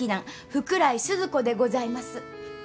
福来スズ子でございます。